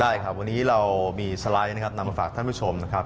ได้ครับวันนี้เรามีสไลด์นะครับนำมาฝากท่านผู้ชมนะครับ